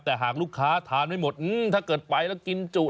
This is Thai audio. แต่หากลูกค้าทานไม่หมดถ้าเกิดไปแล้วกินจุ